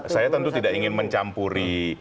saya tentu tidak ingin mencampuri